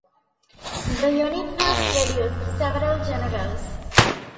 The unit has produced several generals.